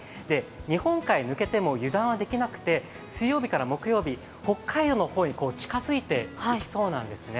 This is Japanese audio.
日本海抜けても油断はできなくて水曜日から木曜日、北海道の方に近付いていきそうなんですね。